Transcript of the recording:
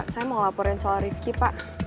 saya mau laporan soal rifqi pak